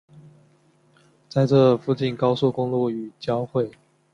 在这附近高速公路与交汇。